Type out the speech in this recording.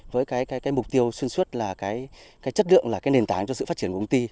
với cái mục tiêu xuyên suốt là cái chất lượng là cái nền tảng cho sự phát triển của công ty